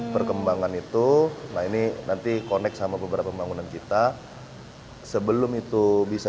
perkembangan itu nah ini nanti connect sama beberapa pembangunan kita sebelum itu bisa